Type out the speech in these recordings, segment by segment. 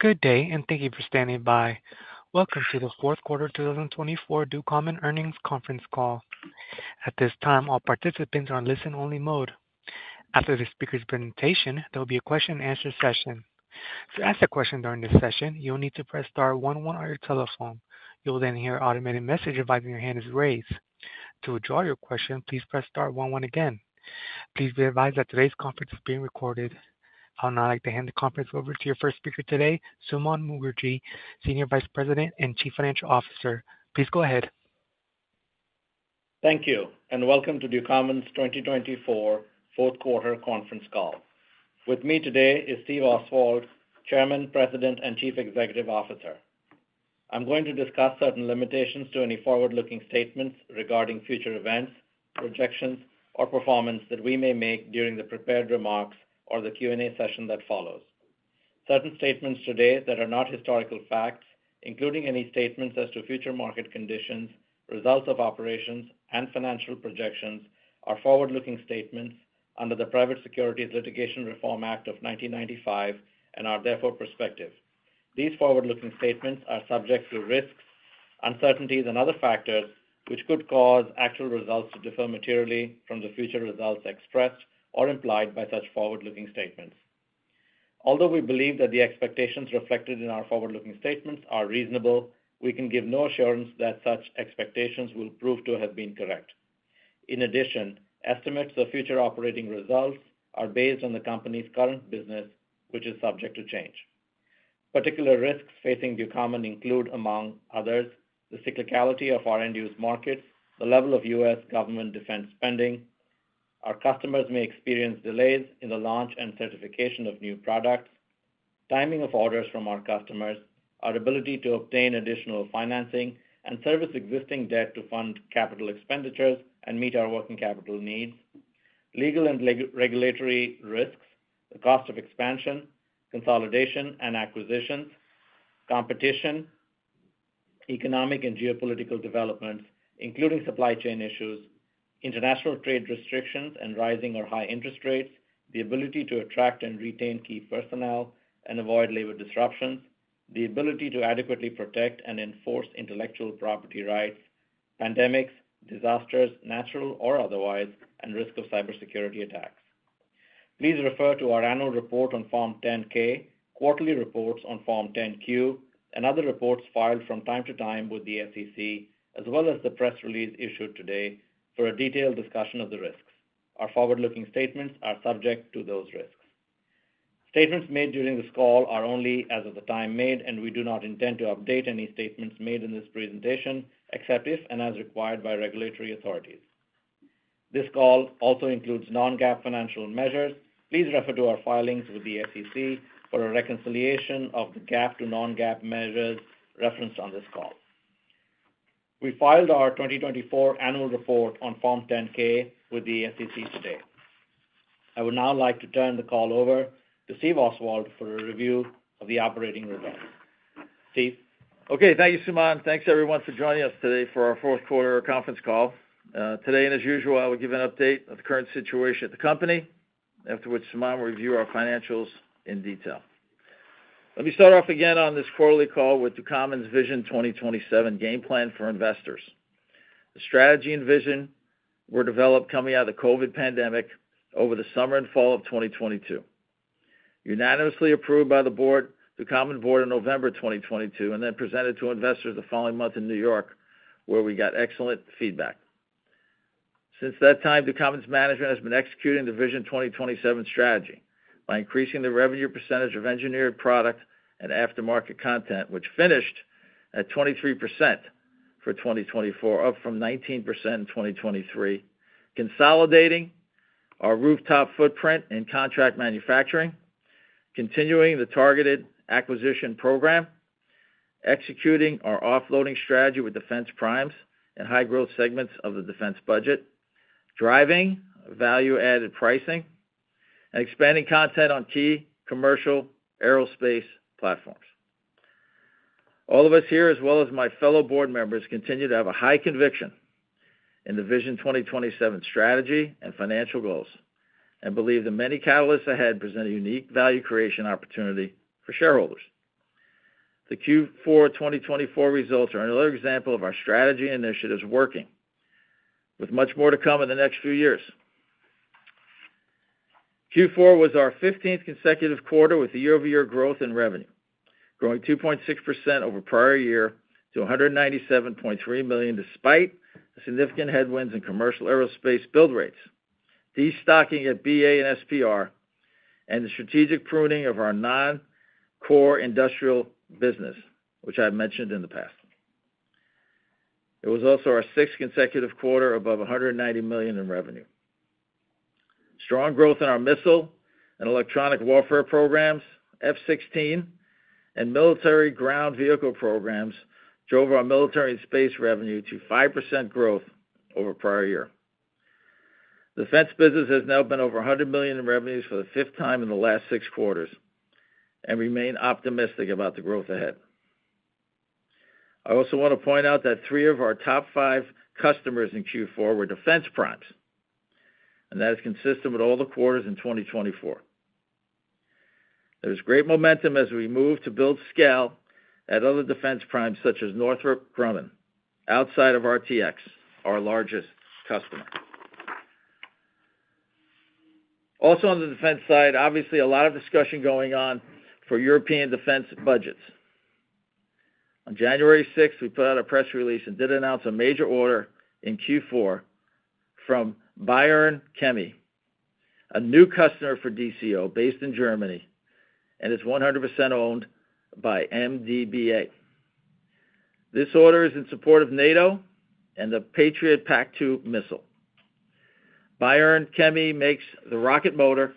Good day, and thank you for standing by. Welcome to the fourth quarter 2024 Ducommun Earnings Conference call. At this time, all participants are on listen-only mode. After the speaker's presentation, there will be a question-and-answer session. To ask a question during this session, you'll need to press star one one on your telephone. You will then hear an automated message advising your hand is raised. To withdraw your question, please press star one one again. Please be advised that today's conference is being recorded. I would now like to hand the conference over to your first speaker today, Suman Mookerji, Senior Vice President and Chief Financial Officer. Please go ahead. Thank you, and welcome to Ducommun's 2024 fourth quarter conference call. With me today is Stephen Oswald, Chairman, President, and Chief Executive Officer. I'm going to discuss certain limitations to any forward-looking statements regarding future events, projections, or performance that we may make during the prepared remarks or the Q&A session that follows. Certain statements today that are not historical facts, including any statements as to future market conditions, results of operations, and financial projections, are forward-looking statements under the Private Securities Litigation Reform Act of 1995 and are therefore prospective. These forward-looking statements are subject to risks, uncertainties, and other factors which could cause actual results to differ materially from the future results expressed or implied by such forward-looking statements. Although we believe that the expectations reflected in our forward-looking statements are reasonable, we can give no assurance that such expectations will prove to have been correct. In addition, estimates of future operating results are based on the company's current business, which is subject to change. Particular risks facing Ducommun include, among others, the cyclicality of our end-use markets, the level of U.S. government defense spending, our customers may experience delays in the launch and certification of new products, timing of orders from our customers, our ability to obtain additional financing, and service existing debt to fund capital expenditures and meet our working capital needs, legal and regulatory risks, the cost of expansion, consolidation and acquisitions, competition, economic and geopolitical developments, including supply chain issues, international trade restrictions and rising or high interest rates, the ability to attract and retain key personnel and avoid labor disruptions, the ability to adequately protect and enforce intellectual property rights, pandemics, disasters, natural or otherwise, and risk of cybersecurity attacks. Please refer to our annual report on Form 10-K, quarterly reports on Form 10-Q, and other reports filed from time to time with the SEC, as well as the press release issued today for a detailed discussion of the risks. Our forward-looking statements are subject to those risks. Statements made during this call are only as of the time made, and we do not intend to update any statements made in this presentation except if and as required by regulatory authorities. This call also includes non-GAAP financial measures. Please refer to our filings with the SEC for a reconciliation of the GAAP to non-GAAP measures referenced on this call. We filed our 2024 annual report on Form 10-K with the SEC today. I would now like to turn the call over to Steve Oswald for a review of the operating results. Steve. Okay. Thank you, Suman. Thanks, everyone, for joining us today for our fourth quarter conference call. Today, and as usual, I will give an update of the current situation at the company, after which Suman will review our financials in detail. Let me start off again on this quarterly call with Ducommun's VISION 2027 game plan for investors. The strategy and vision were developed coming out of the COVID pandemic over the summer and fall of 2022. Unanimously approved by the Ducommun board in November 2022, and then presented to investors the following month in New York, where we got excellent feedback. Since that time, Ducommun's management has been executing the VISION 2027 strategy by increasing the revenue percentage of engineered product and aftermarket content, which finished at 23% for 2024, up from 19% in 2023, consolidating our rooftop footprint in contract manufacturing, continuing the targeted acquisition program, executing our offloading strategy with defense primes and high-growth segments of the defense budget, driving value-added pricing, and expanding content on key commercial aerospace platforms. All of us here, as well as my fellow board members, continue to have a high conviction in the VISION 2027 strategy and financial goals and believe the many catalysts ahead present a unique value creation opportunity for shareholders. The Q4 2024 results are another example of our strategy and initiatives working, with much more to come in the next few years. Q4 was our 15th consecutive quarter with year-over-year growth in revenue, growing 2.6% over prior year to $197.3 million despite significant headwinds in commercial aerospace build rates, destocking at BA and SPR, and the strategic pruning of our non-core industrial business, which I've mentioned in the past. It was also our sixth consecutive quarter above $190 million in revenue. Strong growth in our missile and electronic warfare programs, F-16, and military ground vehicle programs drove our military and space revenue to 5% growth over prior year. The defense business has now been over $100 million in revenues for the fifth time in the last six quarters and remain optimistic about the growth ahead. I also want to point out that three of our top five customers in Q4 were defense primes, and that is consistent with all the quarters in 2024. There's great momentum as we move to build scale at other defense primes such as Northrop Grumman outside of RTX, our largest customer. Also on the defense side, obviously, a lot of discussion going on for European defense budgets. On January 6th, we put out a press release and did announce a major order in Q4 from Bayern-Chemie, a new customer for DCO based in Germany, and it's 100% owned by MBDA. This order is in support of NATO and the Patriot PAC-2 missile. Bayern-Chemie makes the rocket motor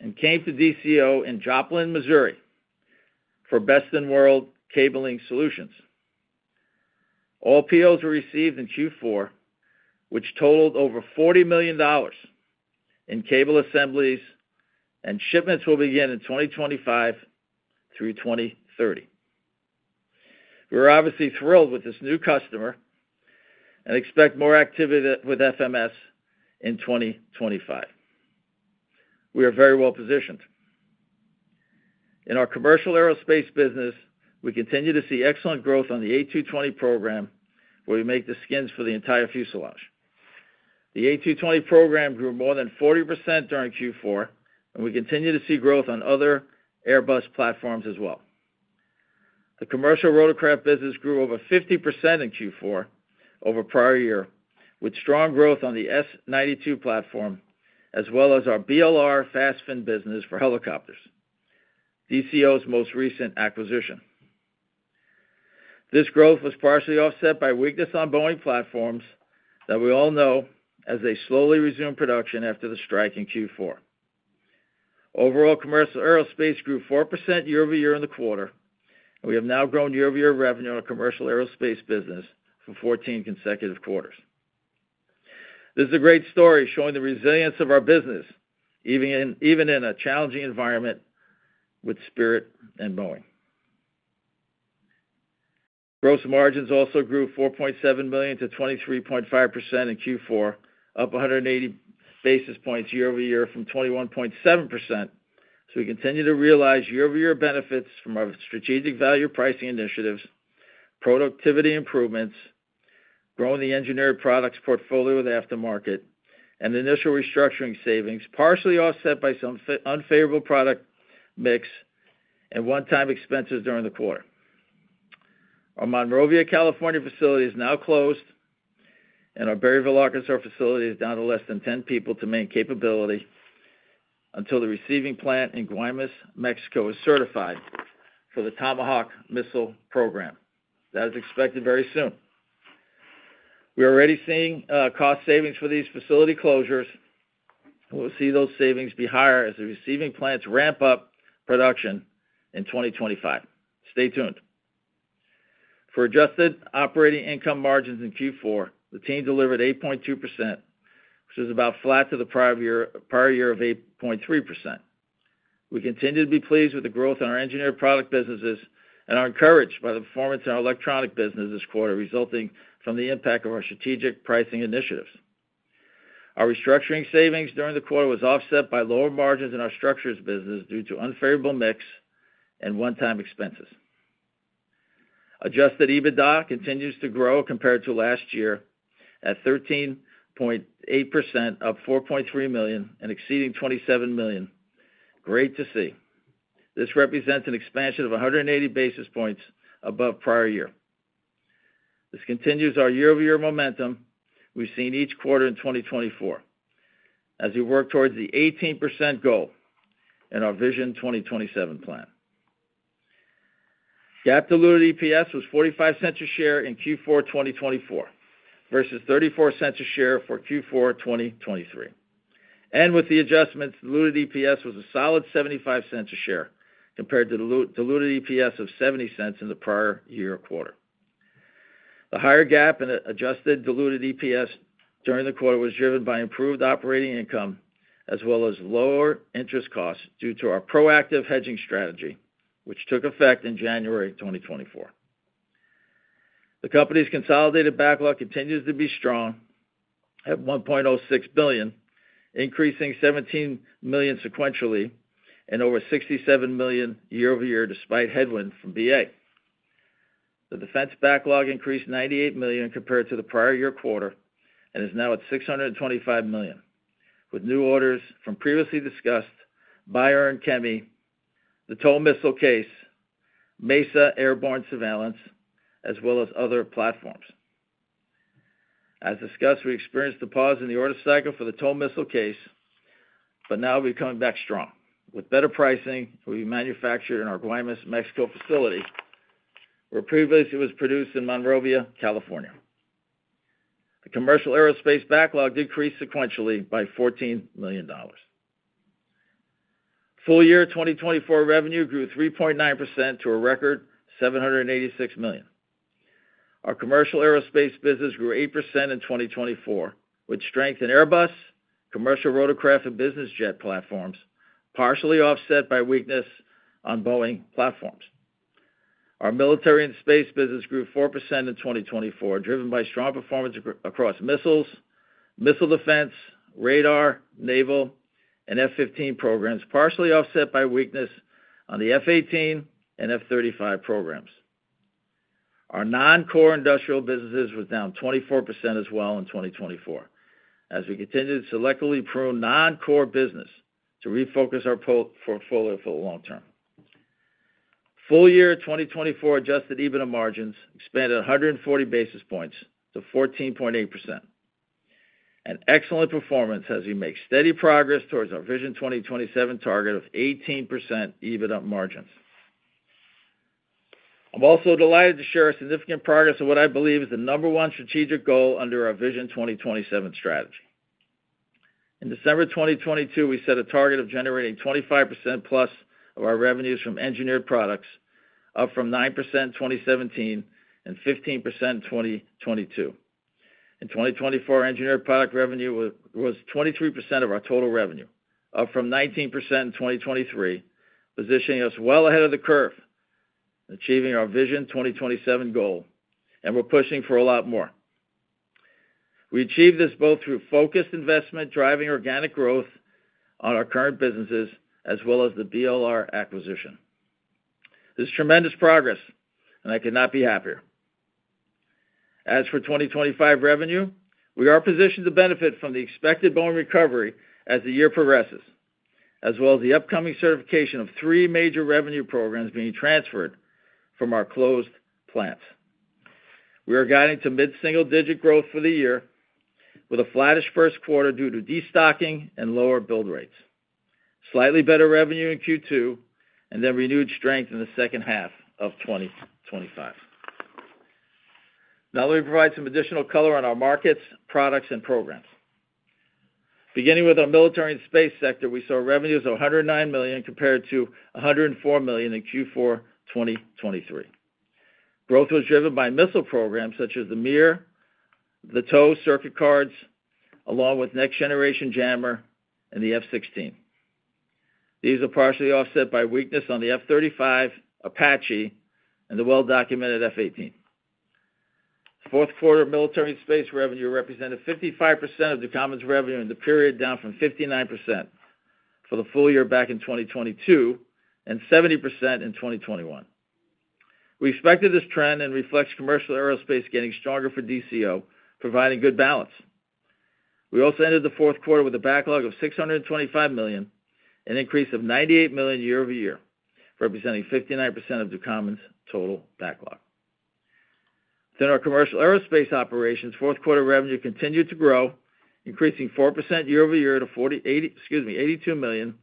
and came to DCO in Joplin, Missouri, for best-in-world cabling solutions. All POs were received in Q4, which totaled over $40 million in cable assemblies, and shipments will begin in 2025 through 2030. We are obviously thrilled with this new customer and expect more activity with FMS in 2025. We are very well positioned. In our commercial aerospace business, we continue to see excellent growth on the A220 program, where we make the skins for the entire fuselage. The A220 program grew more than 40% during Q4, and we continue to see growth on other Airbus platforms as well. The commercial rotorcraft business grew over 50% in Q4 over prior year, with strong growth on the S-92 platform, as well as our BLR FastFin business for helicopters, DCO's most recent acquisition. This growth was partially offset by weakness on Boeing platforms that we all know as they slowly resumed production after the strike in Q4. Overall, commercial aerospace grew 4% year-over-year in the quarter, and we have now grown year-over-year revenue in our commercial aerospace business for 14 consecutive quarters. This is a great story showing the resilience of our business, even in a challenging environment with Spirit and Boeing. Gross margins also grew $4.7 million to 23.5% in Q4, up 180 basis points year-over-year from 21.7%. So we continue to realize year-over-year benefits from our strategic value pricing initiatives, productivity improvements, growing the engineered products portfolio with aftermarket, and initial restructuring savings, partially offset by some unfavorable product mix and one-time expenses during the quarter. Our Monrovia, California facility is now closed, and our Berryville, Arkansas facility is down to less than 10 people to maintain capability until the receiving plant in Guaymas, Mexico, is certified for the Tomahawk Missile Program. That is expected very soon. We are already seeing cost savings for these facility closures, and we'll see those savings be higher as the receiving plants ramp up production in 2025. Stay tuned. For adjusted operating income margins in Q4, the team delivered 8.2%, which is about flat to the prior year of 8.3%. We continue to be pleased with the growth in our engineered product businesses and are encouraged by the performance in our electronic business this quarter, resulting from the impact of our strategic pricing initiatives. Our restructuring savings during the quarter was offset by lower margins in our structures business due to unfavorable mix and one-time expenses. Adjusted EBITDA continues to grow compared to last year at 13.8%, up $4.3 million and exceeding $27 million. Great to see. This represents an expansion of 180 basis points above prior year. This continues our year-over-year momentum we've seen each quarter in 2024 as we work towards the 18% goal in our VISION 2027 Plan. GAAP diluted EPS was $0.45 a share in Q4 2024 versus $0.34 a share for Q4 2023. And with the adjustments, diluted EPS was a solid $0.75 a share compared to diluted EPS of $0.70 in the prior year quarter. The higher GAAP and adjusted diluted EPS during the quarter was driven by improved operating income as well as lower interest costs due to our proactive hedging strategy, which took effect in January 2024. The company's consolidated backlog continues to be strong at $1.06 billion, increasing $17 million sequentially and over $67 million year-over-year despite headwinds from BA. The defense backlog increased $98 million compared to the prior year quarter and is now at $625 million, with new orders from previously discussed Bayern-Chemie, the TOW Missile case, MESA Airborne Surveillance, as well as other platforms. As discussed, we experienced a pause in the order cycle for the TOW Missile case, but now we're coming back strong. With better pricing, we manufacture in our Guaymas, Mexico facility, where previously it was produced in Monrovia, California. The commercial aerospace backlog did increase sequentially by $14 million. Full year 2024 revenue grew 3.9% to a record $786 million. Our commercial aerospace business grew 8% in 2024, with strength in airbus, commercial rotorcraft, and business jet platforms, partially offset by weakness on Boeing platforms. Our military and space business grew 4% in 2024, driven by strong performance across missiles, missile defense, radar, naval, and F-15 programs, partially offset by weakness on the F-18 and F-35 programs. Our non-core industrial businesses were down 24% as well in 2024, as we continued to selectively prune non-core business to refocus our portfolio for the long term. Full year 2024 Adjusted EBITDA margins expanded 140 basis points to 14.8%. An excellent performance as we make steady progress towards our VISION 2027 target of 18% EBITDA margins. I'm also delighted to share a significant progress of what I believe is the number one strategic goal under our VISION 2027 strategy. In December 2022, we set a target of generating 25% plus of our revenues from engineered products, up from 9% in 2017 and 15% in 2022. In 2024, engineered product revenue was 23% of our total revenue, up from 19% in 2023, positioning us well ahead of the curve in achieving our VISION 2027 goal, and we're pushing for a lot more. We achieved this both through focused investment, driving organic growth on our current businesses, as well as the BLR acquisition. This is tremendous progress, and I could not be happier. As for 2025 revenue, we are positioned to benefit from the expected Boeing recovery as the year progresses, as well as the upcoming certification of three major revenue programs being transferred from our closed plants. We are guiding to mid-single-digit growth for the year, with a flattish first quarter due to destocking and lower build rates, slightly better revenue in Q2, and then renewed strength in the second half of 2025. Now let me provide some additional color on our markets, products, and programs. Beginning with our military and space sector, we saw revenues of $109 million compared to $104 million in Q4 2023. Growth was driven by missile programs such as the MMR, the TOW circuit cards, along with Next Generation Jammer and the F-16. These are partially offset by weakness on the F-35, Apache and the well-documented F-18. The fourth quarter military and space revenue represented 55% of Ducommun's revenue in the period, down from 59% for the full year back in 2022 and 70% in 2021. We expected this trend and reflects commercial aerospace getting stronger for DCO, providing good balance. We also ended the fourth quarter with a backlog of $625 million, an increase of $98 million year-over-year, representing 59% of Ducommun's total backlog. Within our commercial aerospace operations, fourth quarter revenue continued to grow, increasing 4% year-over-year to $82 million,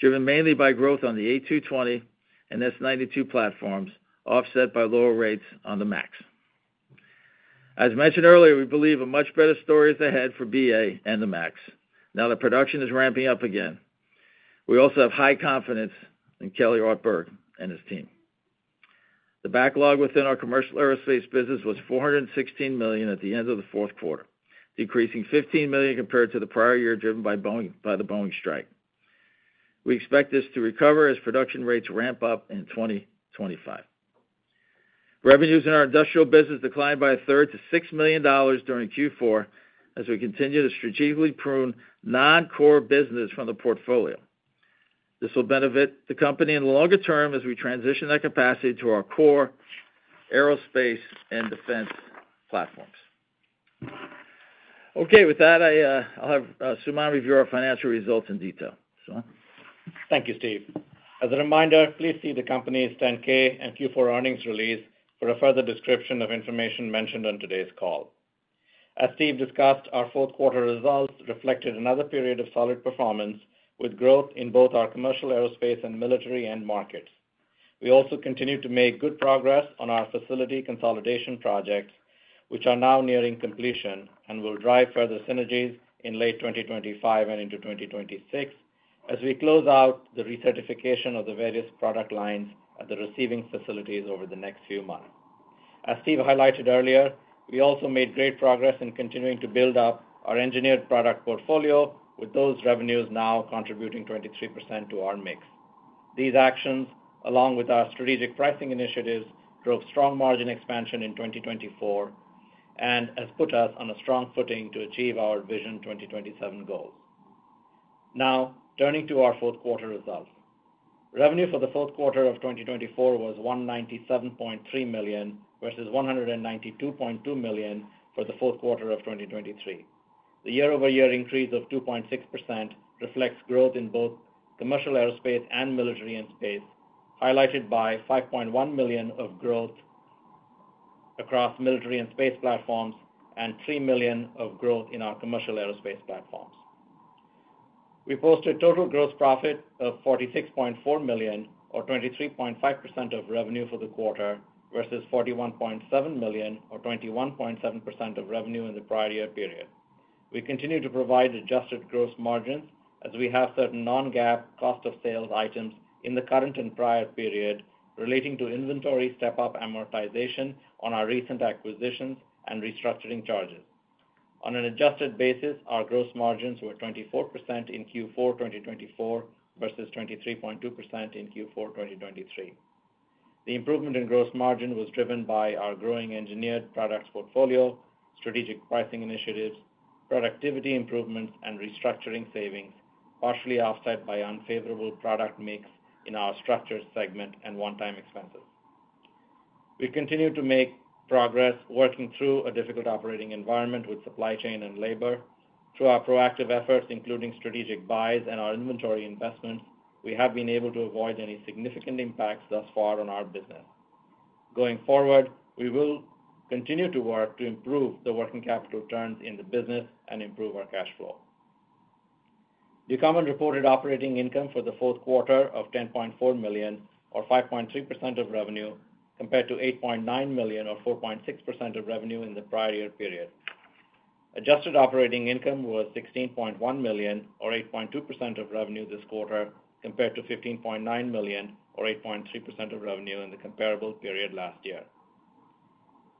driven mainly by growth on the A220 and S92 platforms, offset by lower rates on the MAX. As mentioned earlier, we believe a much better story is ahead for BA and the MAX. Now that production is ramping up again, we also have high confidence in Kelly Ortberg and his team. The backlog within our commercial aerospace business was $416 million at the end of the fourth quarter, decreasing $15 million compared to the prior year driven by the Boeing strike. We expect this to recover as production rates ramp up in 2025. Revenues in our industrial business declined by a third to $6 million during Q4 as we continue to strategically prune non-core business from the portfolio. This will benefit the company in the longer term as we transition that capacity to our core aerospace and defense platforms. Okay, with that, I'll have Suman review our financial results in detail. Suman? Thank you, Steve. As a reminder, please see the company's 10-K and Q4 earnings release for a further description of information mentioned on today's call. As Steve discussed, our fourth quarter results reflected another period of solid performance with growth in both our commercial aerospace and military end markets. We also continue to make good progress on our facility consolidation projects, which are now nearing completion and will drive further synergies in late 2025 and into 2026 as we close out the recertification of the various product lines at the receiving facilities over the next few months. As Steve highlighted earlier, we also made great progress in continuing to build up our engineered product portfolio, with those revenues now contributing 23% to our mix. These actions, along with our strategic pricing initiatives, drove strong margin expansion in 2024 and have put us on a strong footing to achieve our VISION 2027 goals. Now, turning to our fourth quarter results. Revenue for the fourth quarter of 2024 was $197.3 million versus $192.2 million for the fourth quarter of 2023. The year-over-year increase of 2.6% reflects growth in both commercial aerospace and military and space, highlighted by $5.1 million of growth across military and space platforms and $3 million of growth in our commercial aerospace platforms. We posted total gross profit of $46.4 million, or 23.5% of revenue for the quarter, versus $41.7 million, or 21.7% of revenue in the prior year period. We continue to provide adjusted gross margins as we have certain non-GAAP cost of sales items in the current and prior period relating to inventory step-up amortization on our recent acquisitions and restructuring charges. On an adjusted basis, our gross margins were 24% in Q4 2024 versus 23.2% in Q4 2023. The improvement in gross margin was driven by our growing engineered products portfolio, strategic pricing initiatives, productivity improvements, and restructuring savings, partially offset by unfavorable product mix in our structural segment and one-time expenses. We continue to make progress working through a difficult operating environment with supply chain and labor. Through our proactive efforts, including strategic buys and our inventory investments, we have been able to avoid any significant impacts thus far on our business. Going forward, we will continue to work to improve the working capital turns in the business and improve our cash flow. Ducommun reported operating income for the fourth quarter of $10.4 million, or 5.3% of revenue, compared to $8.9 million, or 4.6% of revenue in the prior year period. Adjusted operating income was $16.1 million, or 8.2% of revenue this quarter, compared to $15.9 million, or 8.3% of revenue in the comparable period last year.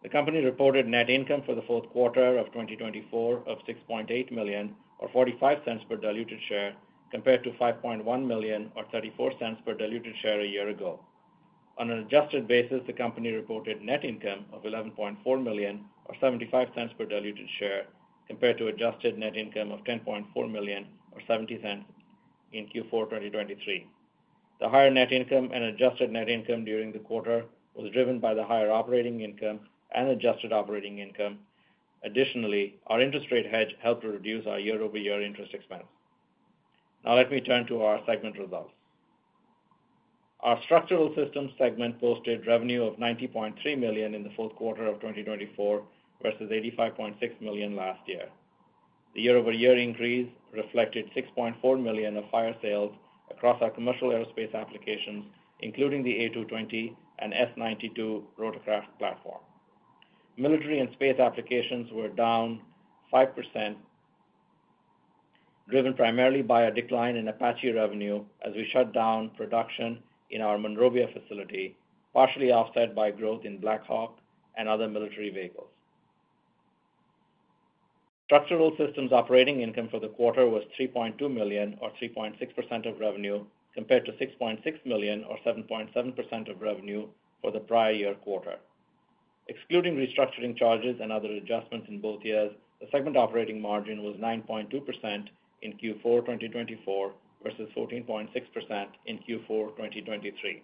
The company reported net income for the fourth quarter of 2024 of $6.8 million, or $0.45 per diluted share, compared to $5.1 million, or $0.34 per diluted share a year ago. On an adjusted basis, the company reported net income of $11.4 million, or $0.75 per diluted share, compared to adjusted net income of $10.4 million, or $0.70 in Q4 2023. The higher net income and adjusted net income during the quarter was driven by the higher operating income and adjusted operating income. Additionally, our interest rate hedge helped to reduce our year-over-year interest expense. Now let me turn to our segment results. Our structural systems segment posted revenue of $90.3 million in the fourth quarter of 2024 versus $85.6 million last year. The year-over-year increase reflected $6.4 million of higher sales across our commercial aerospace applications, including the A220 and S-92 rotorcraft platform. Military and space applications were down 5%, driven primarily by a decline in Apache revenue as we shut down production in our Monrovia facility, partially offset by growth in Black Hawk and other military vehicles. Structural Systems operating income for the quarter was $3.2 million, or 3.6% of revenue, compared to $6.6 million, or 7.7% of revenue for the prior year quarter. Excluding restructuring charges and other adjustments in both years, the segment operating margin was 9.2% in Q4 2024 versus 14.6% in Q4 2023.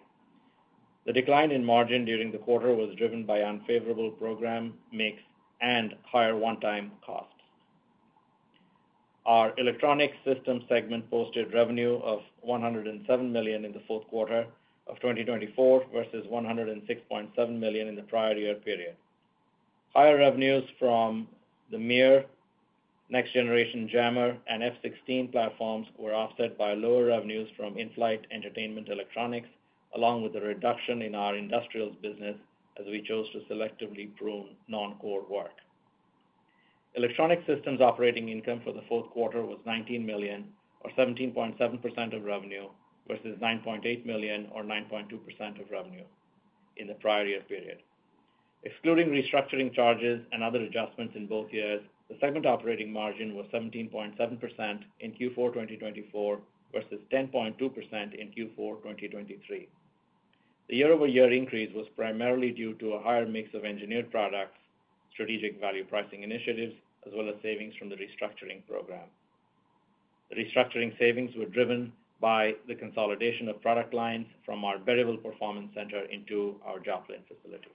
The decline in margin during the quarter was driven by unfavorable program mix and higher one-time costs. Our Electronic Systems segment posted revenue of $107 million in the fourth quarter of 2024 versus $106.7 million in the prior year period. Higher revenues from the MMR, Next Generation Jammer, and F-16 platforms were offset by lower revenues from in-flight entertainment electronics, along with a reduction in our industrials business as we chose to selectively prune non-core work. Electronic systems operating income for the fourth quarter was $19 million, or 17.7% of revenue, versus $9.8 million, or 9.2% of revenue in the prior year period. Excluding restructuring charges and other adjustments in both years, the segment operating margin was 17.7% in Q4 2024 versus 10.2% in Q4 2023. The year-over-year increase was primarily due to a higher mix of engineered products, strategic value pricing initiatives, as well as savings from the restructuring program. The restructuring savings were driven by the consolidation of product lines from our Berryville performance center into our Joplin facility.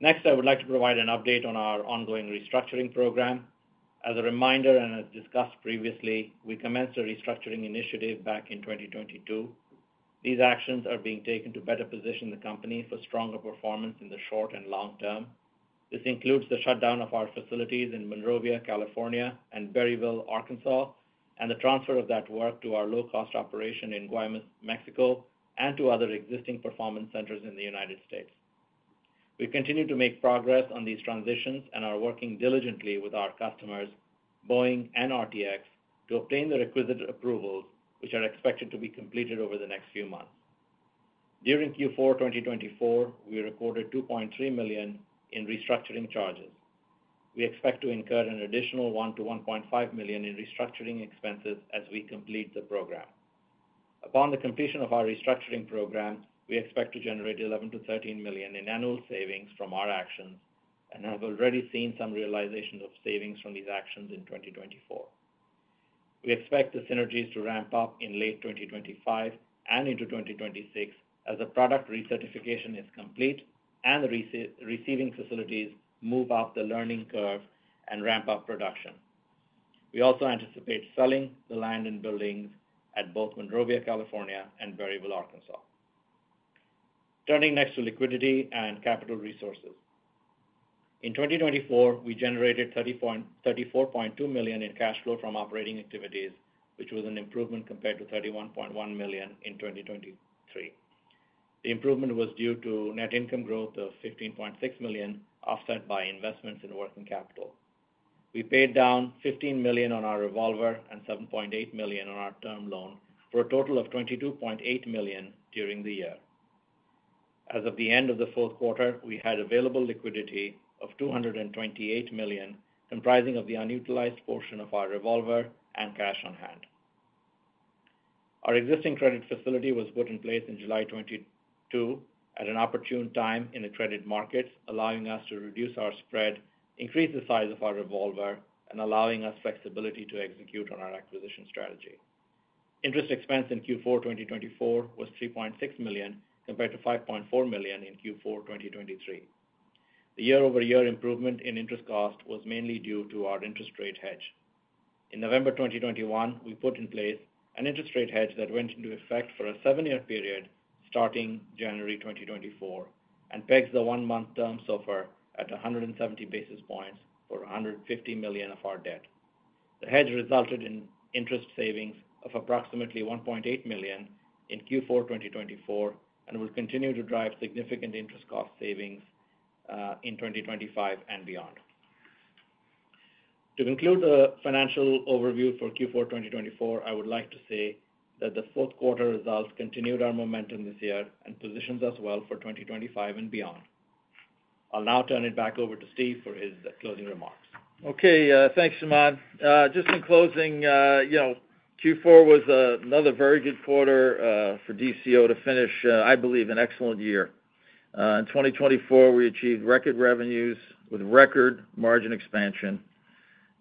Next, I would like to provide an update on our ongoing restructuring program. As a reminder and as discussed previously, we commenced a restructuring initiative back in 2022. These actions are being taken to better position the company for stronger performance in the short and long term. This includes the shutdown of our facilities in Monrovia, California, and Berryville, Arkansas, and the transfer of that work to our low-cost operation in Guaymas, Mexico, and to other existing performance centers in the United States. We continue to make progress on these transitions and are working diligently with our customers, Boeing and RTX, to obtain the requisite approvals, which are expected to be completed over the next few months. During Q4 2024, we recorded $2.3 million in restructuring charges. We expect to incur an additional $1-$1.5 million in restructuring expenses as we complete the program. Upon the completion of our restructuring program, we expect to generate $11-$13 million in annual savings from our actions and have already seen some realization of savings from these actions in 2024. We expect the synergies to ramp up in late 2025 and into 2026 as the product recertification is complete and the receiving facilities move up the learning curve and ramp up production. We also anticipate selling the land and buildings at both Monrovia, California, and Berryville, Arkansas. Turning next to liquidity and capital resources. In 2024, we generated $34.2 million in cash flow from operating activities, which was an improvement compared to $31.1 million in 2023. The improvement was due to net income growth of $15.6 million, offset by investments in working capital. We paid down $15 million on our revolver and $7.8 million on our term loan for a total of $22.8 million during the year. As of the end of the fourth quarter, we had available liquidity of $228 million, comprising of the unutilized portion of our revolver and cash on hand. Our existing credit facility was put in place in July 2022 at an opportune time in the credit markets, allowing us to reduce our spread, increase the size of our revolver, and allowing us flexibility to execute on our acquisition strategy. Interest expense in Q4 2024 was $3.6 million compared to $5.4 million in Q4 2023. The year-over-year improvement in interest cost was mainly due to our interest rate hedge. In November 2021, we put in place an interest rate hedge that went into effect for a seven-year period starting January 2024 and pegs the one-month term SOFR at 170 basis points for $150 million of our debt. The hedge resulted in interest savings of approximately $1.8 million in Q4 2024 and will continue to drive significant interest cost savings in 2025 and beyond. To conclude the financial overview for Q4 2024, I would like to say that the fourth quarter results continued our momentum this year and positioned us well for 2025 and beyond. I'll now turn it back over to Steve for his closing remarks. Okay, thanks, Suman. Just in closing, Q4 was another very good quarter for DCO to finish, I believe, an excellent year. In 2024, we achieved record revenues with record margin expansion,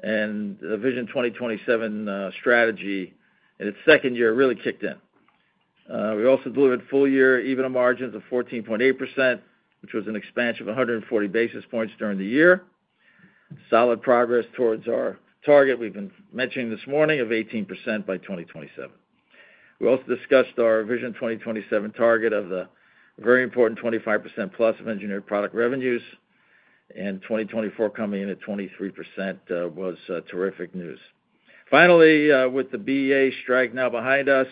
and the VISION 2027 strategy in its second year really kicked in. We also delivered full-year EBITDA margins of 14.8%, which was an expansion of 140 basis points during the year. Solid progress towards our target we've been mentioning this morning of 18% by 2027. We also discussed our VISION 2027 target of the very important 25% plus of engineered product revenues, and 2024 coming in at 23% was terrific news. Finally, with the BA strike now behind us,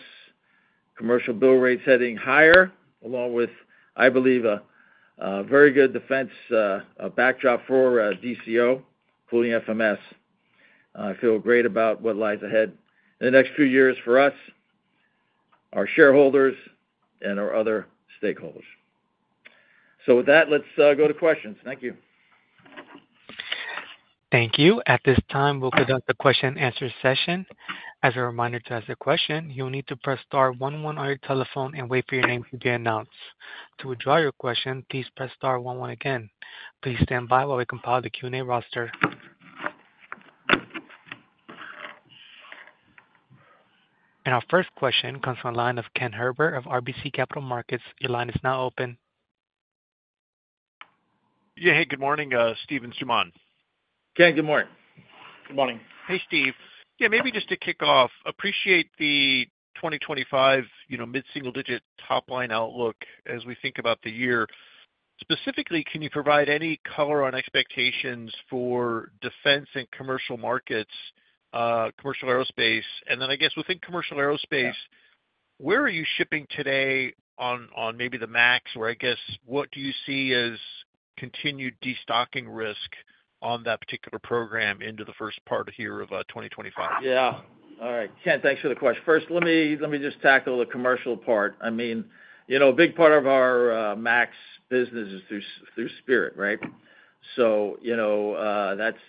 commercial build rates heading higher, along with, I believe, a very good defense backdrop for DCO, including FMS. I feel great about what lies ahead in the next few years for us, our shareholders, and our other stakeholders. So with that, let's go to questions. Thank you. Thank you. At this time, we'll conduct a question-and-answer session. As a reminder to ask a question, you'll need to press star one one on your telephone and wait for your name to be announced. To withdraw your question, please press star one one again. Please stand by while we compile the Q&A roster. And our first question comes from a line of Ken Herbert of RBC Capital Markets. Your line is now open. Yeah, hey, good morning. Steve and Suman. Ken, good morning. Good morning. Hey, Steve. Yeah, maybe just to kick off, appreciate the 2025 mid-single-digit top-line outlook as we think about the year. Specifically, can you provide any color on expectations for defense and commercial markets, commercial aerospace? And then I guess within commercial aerospace, where are you shipping today on maybe the max, or I guess what do you see as continued destocking risk on that particular program into the first half of 2025? Yeah. All right. Ken, thanks for the question. First, let me just tackle the commercial part. I mean, a big part of our max business is through Spirit, right? So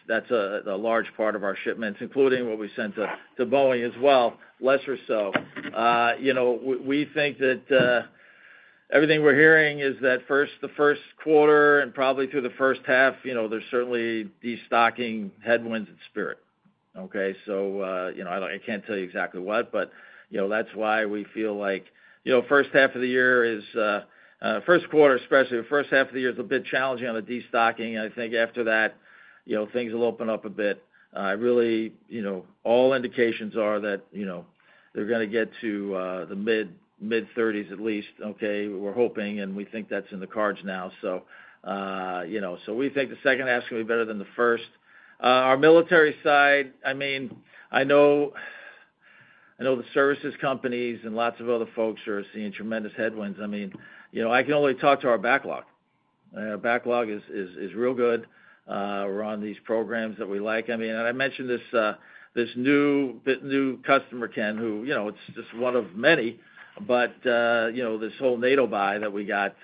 that's a large part of our shipments, including what we sent to Boeing as well, less so. We think that everything we're hearing is that the first quarter and probably through the first half, there's certainly destocking headwinds at Spirit. Okay? So I can't tell you exactly what, but that's why we feel like the first half of the year is the first quarter, especially the first half of the year is a bit challenging on the destocking. I think after that, things will open up a bit. Really, all indications are that they're going to get to the mid-30s at least, okay? We're hoping, and we think that's in the cards now. So we think the second half is going to be better than the first. Our military side, I mean, I know the services companies and lots of other folks are seeing tremendous headwinds. I mean, I can only talk to our backlog. Our backlog is real good. We're on these programs that we like. I mean, and I mentioned this new customer, Ken, who it's just one of many, but this whole NATO buy that we got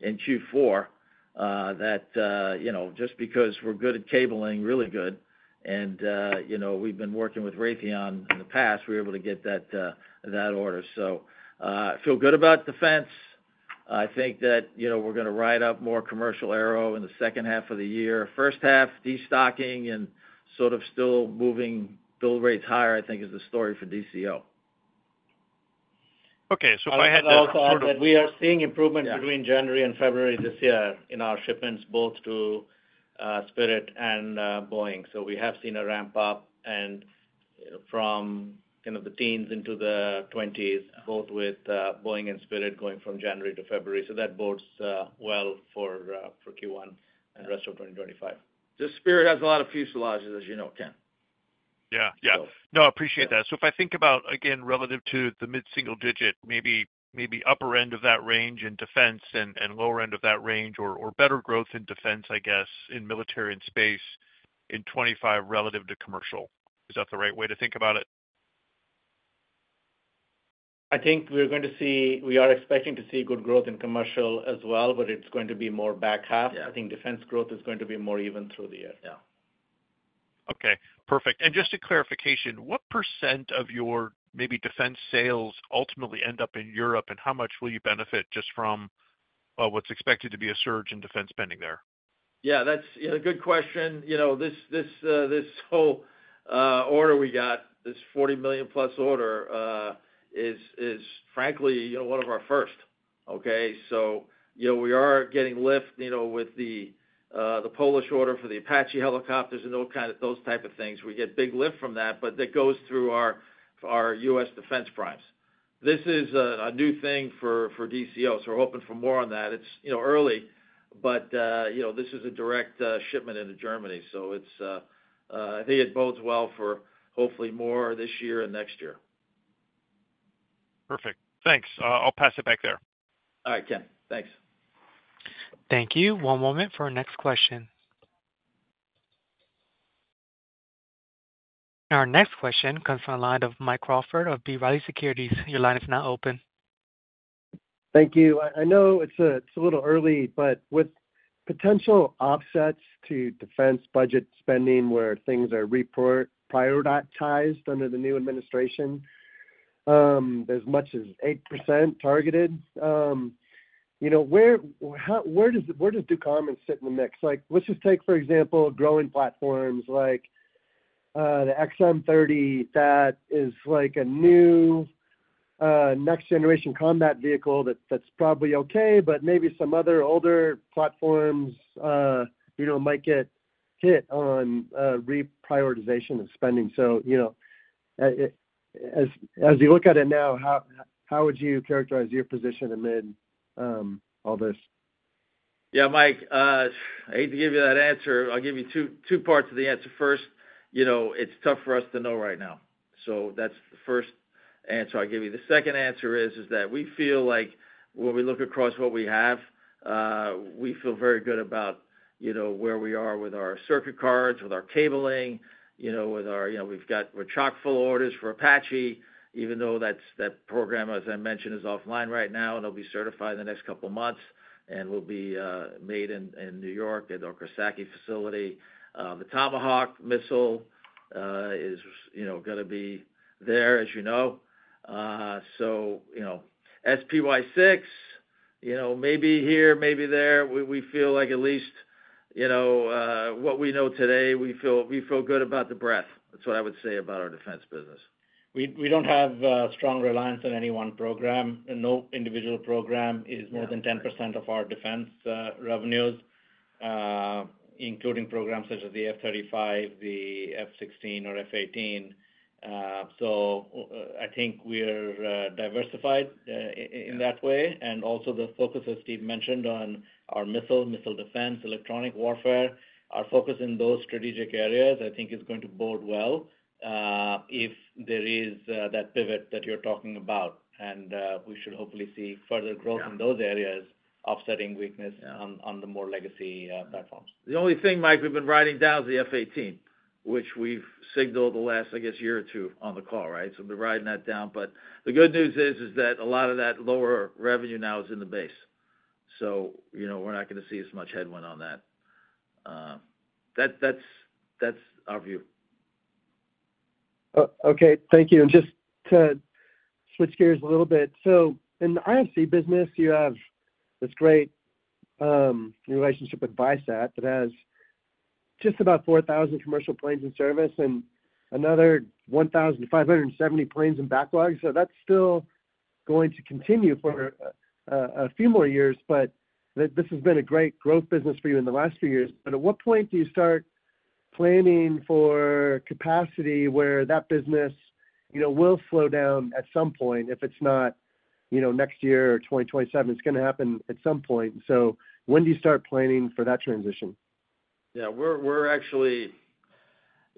in Q4, that just because we're good at cabling, really good, and we've been working with Raytheon in the past, we were able to get that order. So I feel good about defense. I think that we're going to ride up more commercial aero in the second half of the year. First half, destocking and sort of still moving build rates higher, I think, is the story for DCO. Okay. So if I had that sort of. We are seeing improvement between January and February this year in our shipments, both to Spirit and Boeing. So we have seen a ramp up from the teens into the 20s, both with Boeing and Spirit going from January to February. So that bodes well for Q1 and the rest of 2025. Just Spirit has a lot of fuselages, as you know, Ken. Yeah. Yeah. No, I appreciate that. So if I think about, again, relative to the mid-single-digit, maybe upper end of that range in defense and lower end of that range, or better growth in defense, I guess, in military and space in 2025 relative to commercial. Is that the right way to think about it? I think we are expecting to see good growth in commercial as well, but it's going to be more back half. I think defense growth is going to be more even through the year. Yeah. Okay. Perfect. And just a clarification, what percent of your maybe defense sales ultimately end up in Europe, and how much will you benefit just from what's expected to be a surge in defense spending there? Yeah. That's a good question. This whole order we got, this $40+ million order, is frankly one of our first. Okay? So we are getting lift with the Polish order for the Apache helicopters and those type of things. We get big lift from that, but that goes through our U.S. defense primes. This is a new thing for DCO, so we're hoping for more on that. It's early, but this is a direct shipment into Germany. So I think it bodes well for hopefully more this year and next year. Perfect. Thanks. I'll pass it back there. All right, Ken. Thanks. Thank you. One moment for our next question. Our next question comes from a line of Mike Crawford of B. Riley Securities. Your line is now open. Thank you. I know it's a little early, but with potential offsets to defense budget spending where things are reprioritized under the new administration, as much as 8% targeted, where does Ducommun sit in the mix? Let's just take, for example, growing platforms like the XM-30 that is like a new next-generation combat vehicle that's probably okay, but maybe some other older platforms might get hit on reprioritization of spending. So as you look at it now, how would you characterize your position amid all this? Yeah, Mike, I hate to give you that answer. I'll give you two parts of the answer. First, it's tough for us to know right now. So that's the first answer I'll give you. The second answer is that we feel like when we look across what we have, we feel very good about where we are with our circuit cards, with our cabling. We've got chock-full orders for Apache, even though that program, as I mentioned, is offline right now, and it'll be certified in the next couple of months, and will be made in New York at our Coxsackie facility. The Tomahawk missile is going to be there, as you know. SPY-6, maybe here, maybe there. We feel like at least what we know today, we feel good about the breadth. That's what I would say about our defense business. We don't have strong reliance on any one program. No individual program is more than 10% of our defense revenues, including programs such as the F-35, the F-16, or F-18. I think we're diversified in that way. And also the focus, as Steve mentioned, on our missile, missile defense, electronic warfare, our focus in those strategic areas, I think is going to bode well if there is that pivot that you're talking about. And we should hopefully see further growth in those areas, offsetting weakness on the more legacy platforms. The only thing, Mike, we've been riding down is the F-18, which we've signaled the last, I guess, year or two on the call, right? So we've been riding that down. But the good news is that a lot of that lower revenue now is in the base. So we're not going to see as much headwind on that. That's our view. Okay. Thank you. And just to switch gears a little bit. So in the IFC business, you have this great relationship with Viasat that has just about 4,000 commercial planes in service and another 1,570 planes in backlog. So that's still going to continue for a few more years, but this has been a great growth business for you in the last few years. But at what point do you start planning for capacity where that business will slow down at some point if it's not next year or 2027? It's going to happen at some point. So when do you start planning for that transition? Yeah. We're actually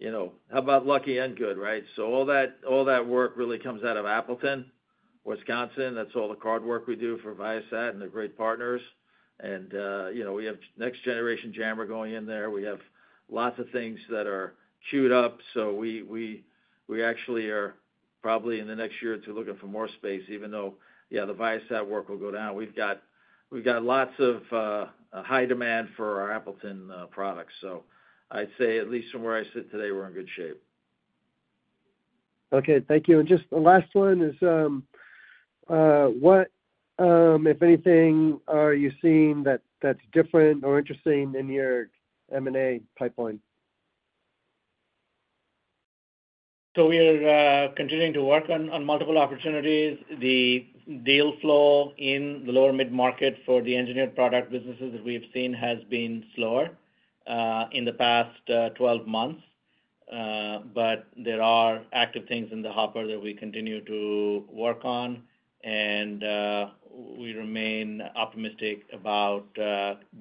both lucky and good, right? So all that work really comes out of Appleton, Wisconsin. That's all the card work we do for Viasat and the great partners. And we have Next Generation Jammer going in there. We have lots of things that are queued up. So we actually are probably in the next year or two looking for more space, even though, yeah, the Viasat work will go down. We've got lots of high demand for our Appleton products. So I'd say at least from where I sit today, we're in good shape. Okay. Thank you. And just the last one is what, if anything, are you seeing that's different or interesting in your M&A pipeline? So we are continuing to work on multiple opportunities. The deal flow in the lower-mid market for the engineered product businesses that we have seen has been slower in the past 12 months, but there are active things in the hopper that we continue to work on, and we remain optimistic about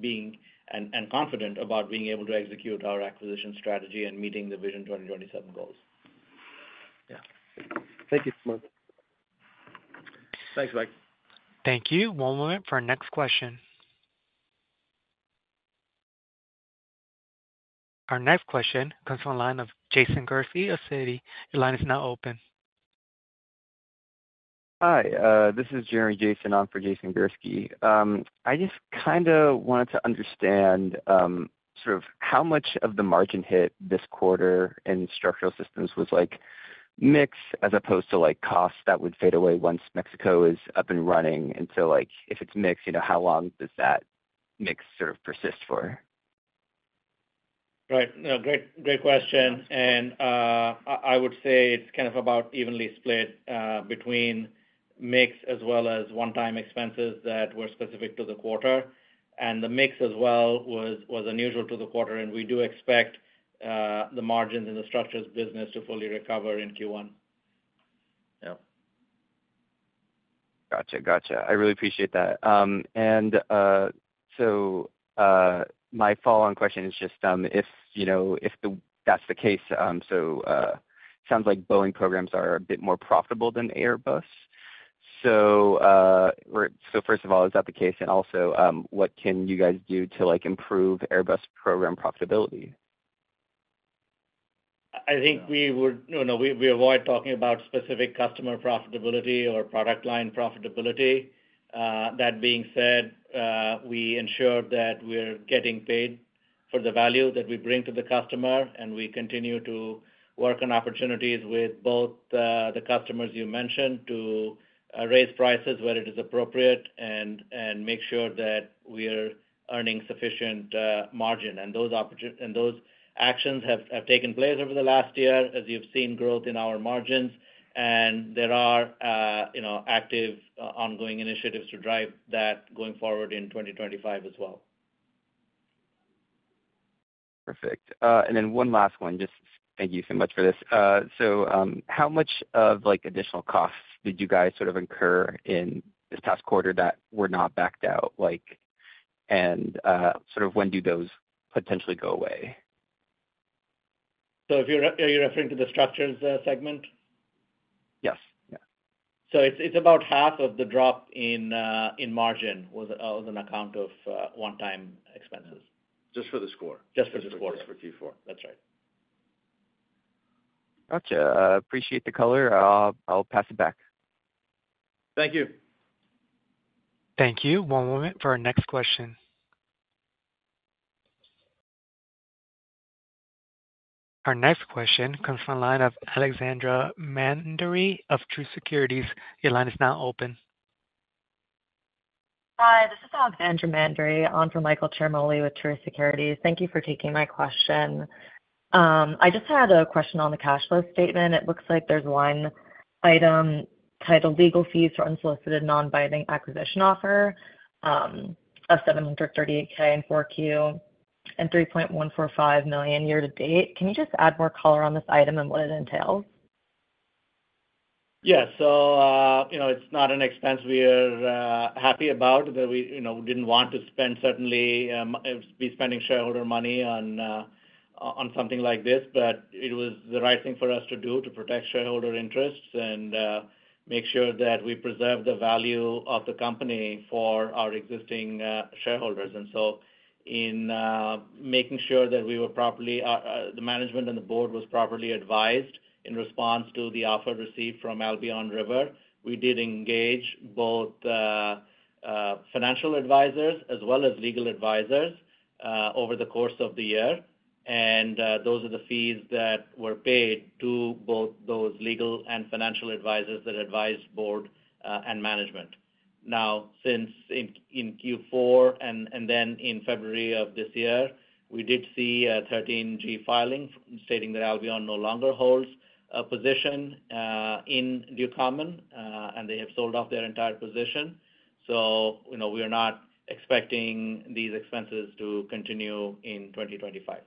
being and confident about being able to execute our acquisition strategy and meeting the VISION 2027 goals. Yeah. Thank you, Suman. Thanks, Mike. Thank you. One moment for our next question. Our next question comes from a line of Jason Gursky of Citi. Your line is now open. Hi. This is Jeremy Jason. I'm for Jason Gursky. I just kind of wanted to understand sort of how much of the margin hit this quarter in structural systems was mix as opposed to costs that would fade away once Mexico is up and running. And so if it's mix, how long does that mix sort of persist for? Right. No, great question. And I would say it's kind of about evenly split between mix as well as one-time expenses that were specific to the quarter. And the mix as well was unusual to the quarter, and we do expect the margins in the structures business to fully recover in Q1. Yeah. Gotcha. Gotcha. I really appreciate that. And so my follow-on question is just if that's the case, so it sounds like Boeing programs are a bit more profitable than Airbus. So first of all, is that the case? And also, what can you guys do to improve Airbus program profitability? No, we avoid talking about specific customer profitability or product line profitability. That being said, we ensure that we're getting paid for the value that we bring to the customer, and we continue to work on opportunities with both the customers you mentioned to raise prices where it is appropriate and make sure that we're earning sufficient margin. And those actions have taken place over the last year, as you've seen growth in our margins, and there are active ongoing initiatives to drive that going forward in 2025 as well. Perfect. And then one last one. Just thank you so much for this. So how much of additional costs did you guys sort of incur in this past quarter that were not backed out? And sort of when do those potentially go away? So you're referring to the structures segment? Yes. Yeah. So it's about half of the drop in margin was an account of one-time expenses. Just for the score. Just for the score. Just for Q4. That's right. Gotcha. Appreciate the color. I'll pass it back. Thank you. Thank you. One moment for our next question. Our next question comes from a line of Alexandra Mandery of Truist Securities. Your line is now open. Hi. This is Alexandra Mandery on for Michael Ciarmoli with Truist Securities. Thank you for taking my question. I just had a question on the cash flow statement. It looks like there's one item titled Legal Fees for Unsolicited Non-Binding Acquisition Offer of $738,000 in 4Q and $3.145 million year-to-date. Can you just add more color on this item and what it entails? Yeah. So it's not an expense we are happy about that we didn't want to spend, certainly be spending shareholder money on something like this, but it was the right thing for us to do to protect shareholder interests and make sure that we preserve the value of the company for our existing shareholders. And so in making sure that we were properly, the management and the board was properly advised in response to the offer received from Albion River, we did engage both financial advisors as well as legal advisors over the course of the year. And those are the fees that were paid to both those legal and financial advisors that advised board and management. Now, since in Q4 and then in February of this year, we did see a 13G filing stating that Albion no longer holds a position in Ducommun, and they have sold off their entire position. So we are not expecting these expenses to continue in 2025.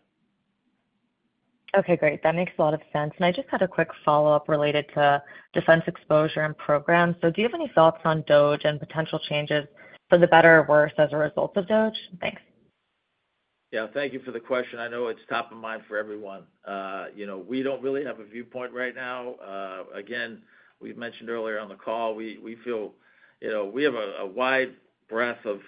Okay. Great. That makes a lot of sense. And I just had a quick follow-up related to defense exposure and programs. So do you have any thoughts on DOGE and potential changes for the better or worse as a result of DOGE? Thanks. Yeah. Thank you for the question. I know it's top of mind for everyone. We don't really have a viewpoint right now. Again, we mentioned earlier on the call, we feel we have a wide breadth of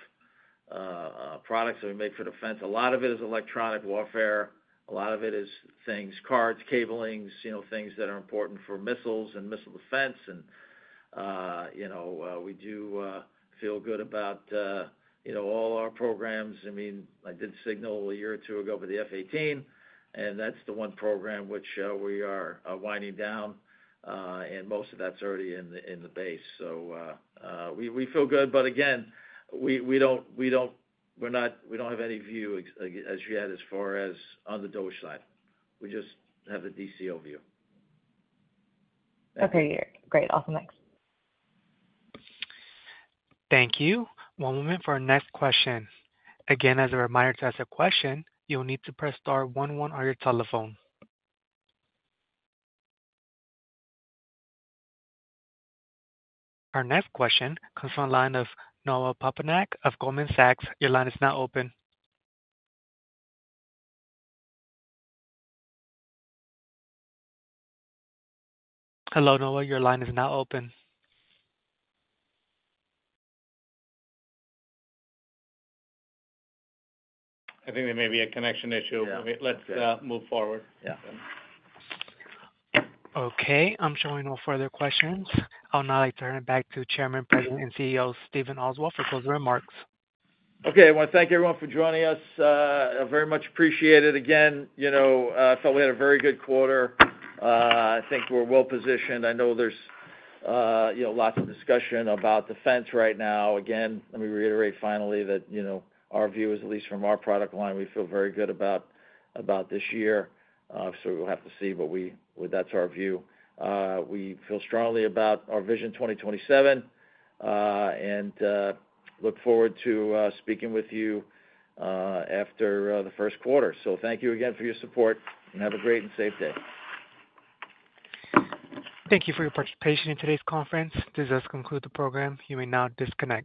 products that we make for defense. A lot of it is electronic warfare. A lot of it is things, cards, cabling, things that are important for missiles and missile defense. And we do feel good about all our programs. I mean, I did signal a year or two ago for the F-18, and that's the one program which we are winding down, and most of that's already in the base. So we feel good. But again, we don't have any view, as you had, as far as on the DOGE side. We just have the DCO view. Okay. Great. Awesome. Thanks. Thank you. One moment for our next question. Again, as a reminder to ask a question, you'll need to press star one one on your telephone. Our next question comes from a line of Noah Poponak of Goldman Sachs. Your line is now open. Hello, Noah. Your line is now open. I think there may be a connection issue. Let's move forward. Okay. I'm showing no further questions. I'll now turn it back to Chairman, President, and CEO Steve Oswald for closing remarks. Okay. I want to thank everyone for joining us. I very much appreciate it. Again, I felt we had a very good quarter. I think we're well-positioned. I know there's lots of discussion about defense right now. Again, let me reiterate finally that our view, at least from our product line, we feel very good about this year. So we'll have to see, but that's our view. We feel strongly about our VISION 2027 and look forward to speaking with you after the first quarter. So thank you again for your support, and have a great and safe day. Thank you for your participation in today's conference. This does conclude the program. You may now disconnect.